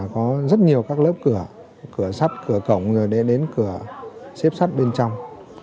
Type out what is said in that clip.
có rất nhiều lớp cửa cửa sắp cửa cổng đến cửa xếp sắt bên trong